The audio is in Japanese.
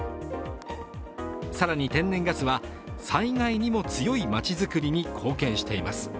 更に天然ガスは災害にも強い町づくりに貢献しています。